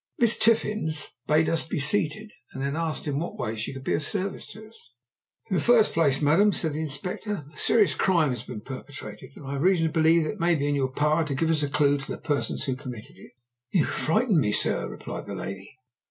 Miss Tiffins bade us be seated, and then asked in what way she could be of service to us. "In the first place, madam," said the Inspector, "a serious crime has been perpetrated, and I have reason to believe that it may be in your power to give us a clue to the persons who committed it." "You frighten me, sir," replied the lady.